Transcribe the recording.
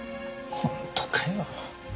本当かよ。